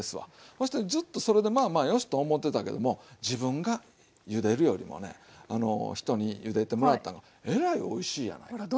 そしてずっとそれでまあまあ良しと思ってたけども自分がゆでるよりもね人にゆでてもらったんがえらいおいしいやないかと。